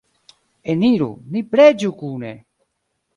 Eniru, ni preĝu kune!